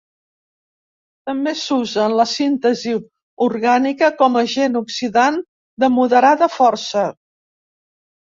També s'usa en la síntesi orgànica com agent oxidant de moderada força.